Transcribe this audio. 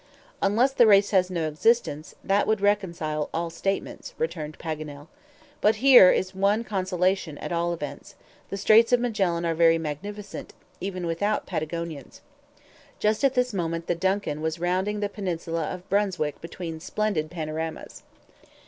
"Unless the race has no existence, that would reconcile all statements," returned Paganel. "But here is one consolation, at all events: the Straits of Magellan are very magnificent, even without Patagonians." Just at this moment the DUNCAN was rounding the peninsula of Brunswick between splendid panoramas.